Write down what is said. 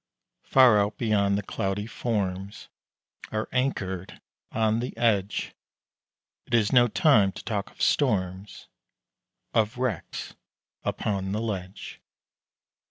Far out beyond the cloudy forms Are anchored on the edge It is no time to talk of storms, Of wrecks upon the ledge.